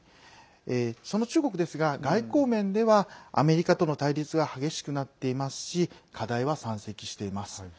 その中国ですが、外交面ではアメリカとの対立が激しくなっていますし課題は山積しています。